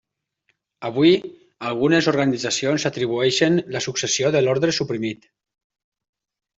Avui, algunes organitzacions s'atribueixen la successió de l'orde suprimit.